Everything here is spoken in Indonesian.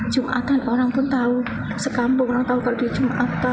jumatan orang pun tahu sekampung orang tahu kalau dia jumat